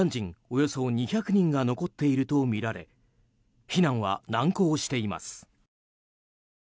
およそ２００人が残っているとみられ避難は難航しています。